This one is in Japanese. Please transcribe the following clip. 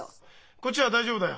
こっちは大丈夫だよ。